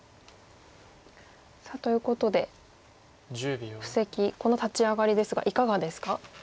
ということで布石この立ち上がりですがいかがですか？